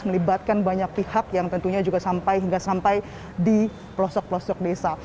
melibatkan banyak pihak yang tentunya juga sampai hingga sampai di pelosok pelosok desa